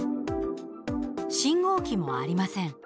信号機もありません。